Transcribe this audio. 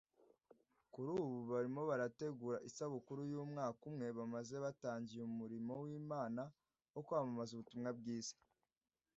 Kuri ubu barimo barategura isabukuru y’Umwaka umwe bamaze batangiye umurimo w’Imana wo kwamamaza ubutumwa bwiza